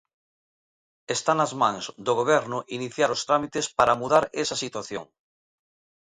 Está nas mans do Goberno iniciar os trámites para mudar esa situación.